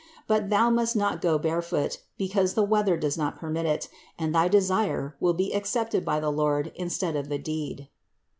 But Thou must not go barefoot, because the weather does not permit it; and thy desire will be accepted by the Lord instead of the deed."